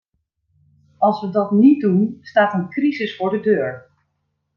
Als we dat niet doen, staat een crisis voor de deur.